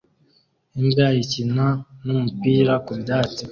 Imbwa ikina n'umupira ku byatsi